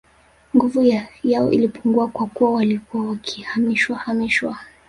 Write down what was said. Nguvu yao ilipungua kwa kuwa walikuwa wakihamishwa hamishwa